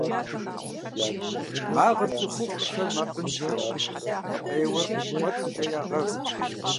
Магъыр цӏыхухъухэр макъыншэу, гукъеуэр кӏуэцӏкӏэ ягъэв.